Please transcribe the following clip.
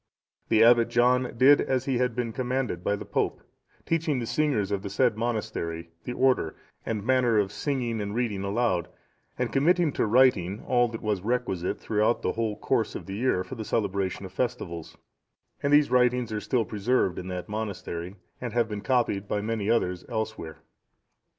(656) The Abbot John did as he had been commanded by the Pope, teaching the singers of the said monastery the order and manner of singing and reading aloud, and committing to writing all that was requisite throughout the whole course of the year for the celebration of festivals; and these writings are still preserved in that monastery, and have been copied by many others elsewhere.